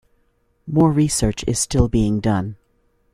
More research is still being done.